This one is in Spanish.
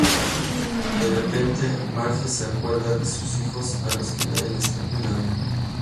De repente, Marge se acuerda de sus hijos, a los que nadie está cuidando.